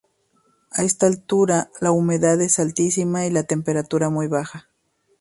A esta altura la humedad es altísima y la temperatura muy baja.